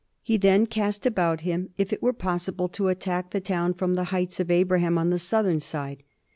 He then cast about him if it were pos sible to attack the town from the Heights of Abraham on the southern side.